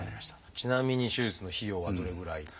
ちなみに手術の費用はどれぐらい？